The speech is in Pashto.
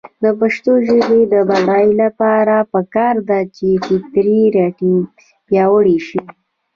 د پښتو ژبې د بډاینې لپاره پکار ده چې فطري ریتم پیاوړی شي.